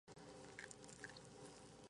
Fue detenido brevemente por la Gestapo.